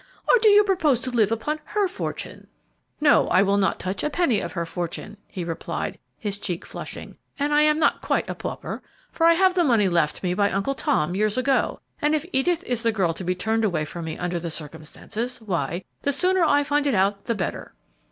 Or do you propose to live upon her fortune?" "No; I will not touch a penny of her fortune," he replied, his cheek flushing; "and I am not quite a pauper, for I have the money left me by Uncle Tom years ago; and if Edith is the girl to be turned from me under the circumstances, why, the sooner I find it out the better."